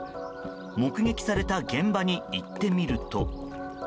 目撃された現場に行ってみると。